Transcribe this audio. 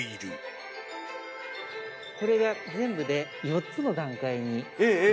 これが全部で４つの段階に。